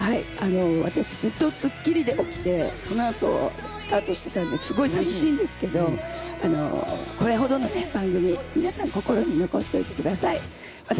私、ずっと『スッキリ』で起きて、そのあとスタートしていたので、すごく寂しいんですけど、これほどのね、番組、皆さん、心に残しておいてください。